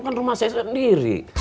kan rumah saya sendiri